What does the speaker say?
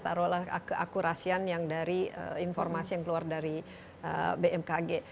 taruhlah keakurasian yang dari informasi yang keluar dari bmkg